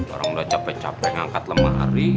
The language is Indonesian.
barang udah capek capek ngangkat lemah hari